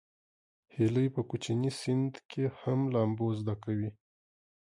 هیلۍ په کوچني سن کې هم لامبو زده کوي